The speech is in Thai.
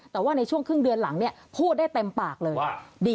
แต่ว่าในช่วงครึ่งเดือนหลังพูดได้เต็มปากเลย